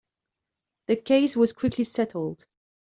The case was quickly settled.